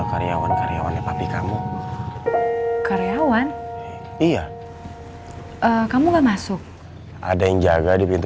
karyawan karyawan tapi kamu karyawan iya kamu enggak masuk ada yang jaga di pintu